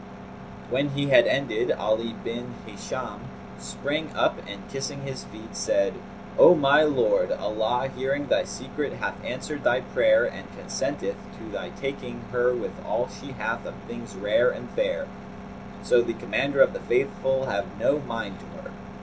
When he had ended, Ali bin Hisham sprang up and kissing his feet, said, "O my lord, Allah hearing thy secret hath answered thy prayer and consenteth to thy taking her with all she hath of things rare and fair, so the Commander of the Faithful have no mind to her."